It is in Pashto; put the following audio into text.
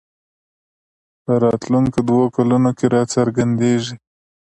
په راتلونکو دوو کلونو کې راڅرګندېږي